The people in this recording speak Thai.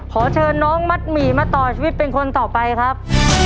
ขอเชิญน้องมัดหมี่มาต่อชีวิตเป็นคนต่อไปครับ